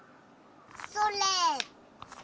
それ！